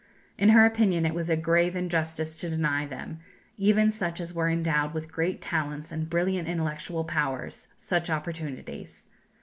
In her opinion it was a grave injustice to deny them, even such as were endowed with great talents and brilliant intellectual powers, such opportunities.